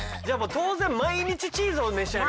当然毎日チーズを召し上がる？